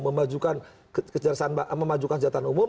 memajukan kesejahteraan umum